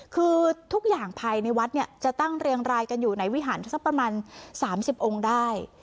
คือทุกอย่างภายในวัดเนี่ยจะตั้งเรียงรายกันอยู่ในวิหารสักประมาณ๓๐องค์ได้